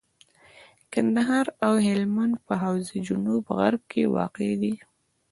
کندهار او هلمند په حوزه جنوب غرب کي واقع دي.